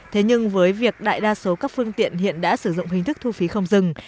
thế nhưng với việc đại đa số các phương tiện hiện đã sử dụng hình thức thu phí không dừng